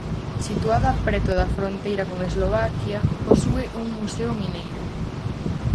Situada preto da fronteira con Eslovaquia, posúe un museo mineiro.